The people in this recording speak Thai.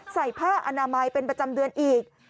ใส่ผ้าอนามัยเป็นประจำเดือนอีก